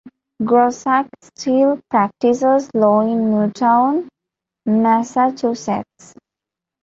Grossack still practices law in Newton, Massachusetts.